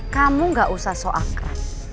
kamu gak usah so akrab